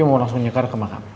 mau langsung nyekar ke makam